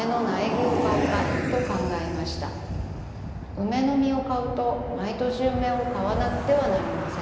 梅の実を買うとまいとし梅を買わなくてはなりません。